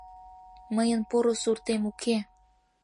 Мыйын поро суртем уке